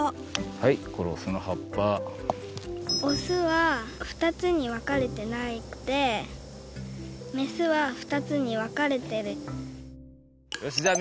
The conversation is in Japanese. はいこれオスの葉っぱオスは二つに分かれてなくてメスは二つに分かれてるよしじゃあ